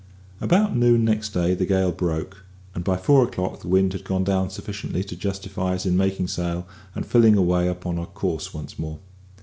About noon next day the gale broke, and by four o'clock the wind had gone down sufficiently to justify us in making sail and filling away upon our course once more.